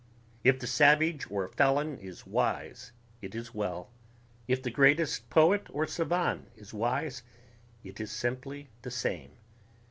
If the savage or felon is wise it is well ... if the greatest poet or savan is wise it is simply the same